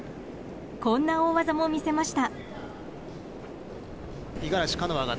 こんな大技も見せました。